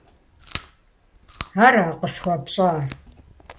- Ара къысхуэпщӏар?